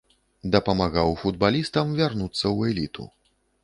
Дапамагаў футбалістам вярнуцца ў эліту.